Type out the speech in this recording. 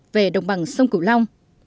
về đồng bằng sông cửu long